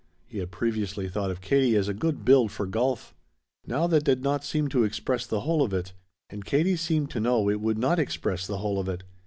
He had previously thought of Katie as a good build for golf. Now that did not seem to express the whole of it and Katie seemed to know it would not express the whole of it.